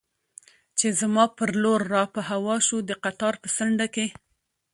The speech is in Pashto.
چې زما پر لور را په هوا شو، د قطار په څنډه کې.